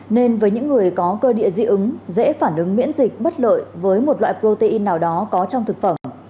nên với những người có cơ địa dị ứng dễ phản ứng miễn dịch bất lợi với một loại protein nào đó có trong thực phẩm